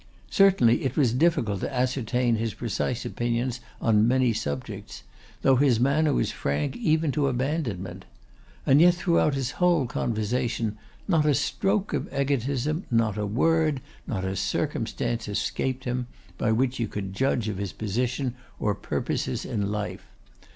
Certainly it was difficult to ascertain his precise opinions on many subjects, though his manner was frank even to abandonment. And yet throughout his whole conversation, not a stroke of egotism, not a word, not a circumstance escaped him, by which you could judge of his position or purposes in life.